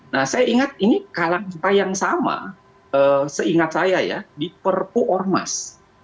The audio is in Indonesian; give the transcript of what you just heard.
nah saya ingat ini kalangan yang sama seingat saya ya di perpu ormas